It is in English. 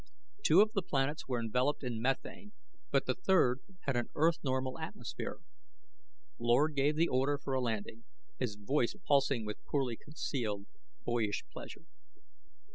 Two of the planets were enveloped in methane, but the third had an earth normal atmosphere. Lord gave the order for a landing, his voice pulsing with poorly concealed, boyish pleasure.